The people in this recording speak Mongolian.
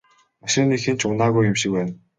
Машиныг хэн ч унаагүй юм шиг байна.